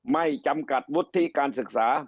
ไม่จำกัดวุฒิการศึกษา